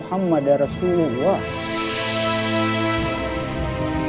zuhaybes bewusst dengan tefitah onkano